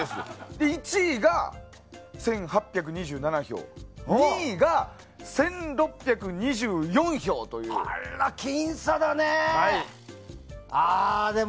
１位が１８２７票２位が１６２４票ということで。